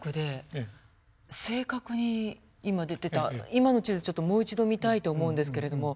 今の地図ちょっともう一度見たいと思うんですけれども。